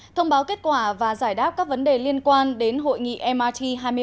thông báo kết quả và giải đáp các vấn đề liên quan đến hội nghị mrt hai mươi ba